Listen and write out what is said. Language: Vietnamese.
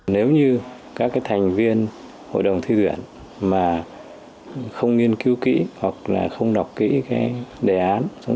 nếu như các thành viên hội đồng thi tuyển mà không nghiên cứu kỹ hoặc là không đọc kỹ cái đề án